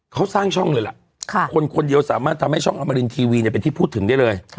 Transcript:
เขาสร้างช่องเลยล่ะคนคนเดียวสามารถทำให้ช่องอมรินทีวีเป็นที่พูดถึงได้เลย